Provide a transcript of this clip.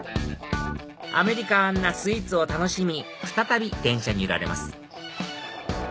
アメリカンなスイーツを楽しみ再び電車に揺られます